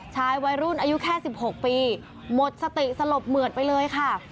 ชายวัยรุ่นอายุแค่๑๖ปีหมดสติสลบเหมือดไปเลยค่ะ